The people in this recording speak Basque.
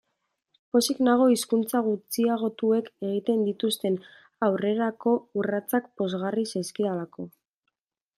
Pozik nago hizkuntza gutxiagotuek egiten dituzten aurrerako urratsak pozgarri zaizkidalako.